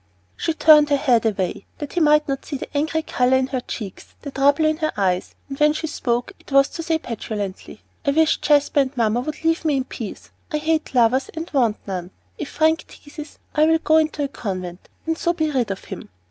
She turned her head away, that he might not see the angry color in her cheeks, the trouble in her eyes, and when she spoke, it was to say petulantly, "I wish Jasper and Mamma would leave me in peace. I hate lovers and want none. If Frank teases, I'll go into a convent and so be rid of him."